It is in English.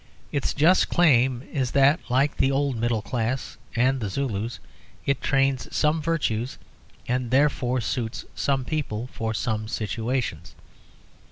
Its just claim is that, like the old middle class (and the Zulus), it trains some virtues and therefore suits some people for some situations.